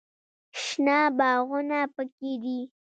شنه باغونه پکښې دي.